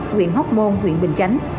nguyện hóc môn nguyện bình chánh